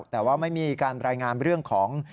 แต่ว่าไม่มีการรายงานเรื่องของ